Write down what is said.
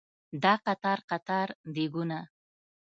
دا قطار قطار دیګونه